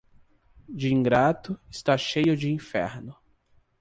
De ingrato, está cheio de inferno.